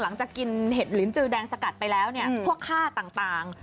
หลังจากกินเห็ดลินจือแดงสกัดไปแล้วเนี่ยพวกค่าต่าง